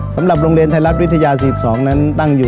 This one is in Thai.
สำหรับโรงเรียนทัยลัพธิ์วิทยา๔๒นั้น